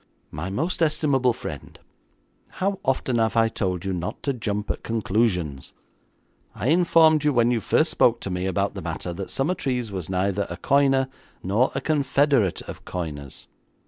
'My most estimable friend, how often have I told you not to jump at conclusions? I informed you when you first spoke to me about the matter that Summertrees was neither a coiner nor a confederate of coiners.